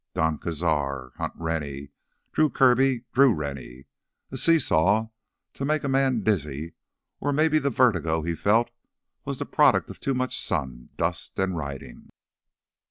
Don Cazar—Hunt Rennie. Drew Kirby—Drew Rennie. A seesaw to make a man dizzy, or maybe the vertigo he felt was the product of too much sun, dust, and riding.